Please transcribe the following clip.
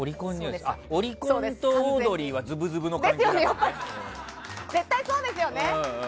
オリコンとオードリーは絶対そうですよね。